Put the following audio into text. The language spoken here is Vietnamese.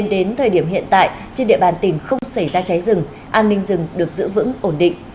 đến thời điểm hiện tại trên địa bàn tỉnh không xảy ra cháy rừng an ninh rừng được giữ vững ổn định